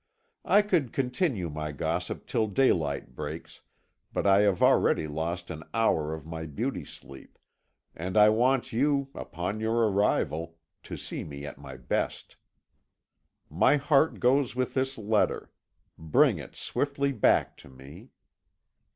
"I could continue my gossip till daylight breaks, but I have already lost an hour of my beauty sleep, and I want you, upon your arrival, to see me at my best. "My heart goes with this letter; bring it swiftly back to me."